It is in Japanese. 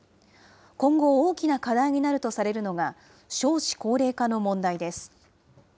今後、大きな課題になるとされるのが、少子高齢化の問題です。